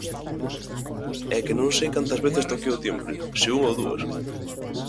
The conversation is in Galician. É que non sei cantas veces toquei o timbre, se unha ou dúas.